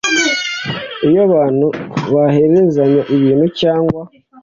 Iyo abantu baherezanya ibintu cyangwa